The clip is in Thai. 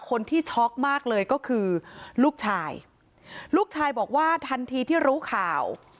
ช็อกมากเลยก็คือลูกชายลูกชายบอกว่าทันทีที่รู้ข่าว